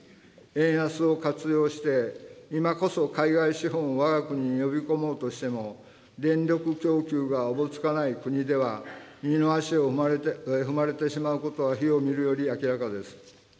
円安を活用して、今こそ海外資本をわが国に呼び込もうとしても、電力供給がおぼつかない国では二の足を踏まれてしまうことは火を見るより明らかです。